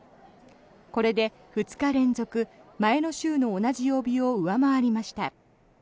これで２日連続、前の週の同じ曜日を上回りました。